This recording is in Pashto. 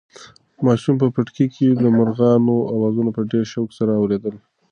ماشوم په پټي کې د مرغانو اوازونه په ډېر شوق سره اورېدل.